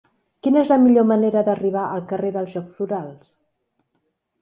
Quina és la millor manera d'arribar al carrer dels Jocs Florals?